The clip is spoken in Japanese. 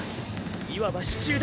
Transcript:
いわば支柱だ。